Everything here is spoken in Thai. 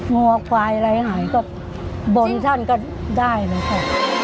งอกวายไร้หายกับบนชั้นก็ได้เลยค่ะ